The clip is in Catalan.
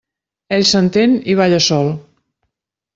Ell s'entén i balla sol.